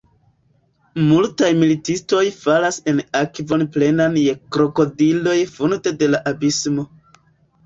Multaj militistoj falas en akvon plenan je krokodiloj funde de la abismo.